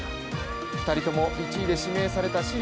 ２人とも１位で指名された市立